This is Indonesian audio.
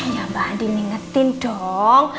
ya mbak andin ingetin dong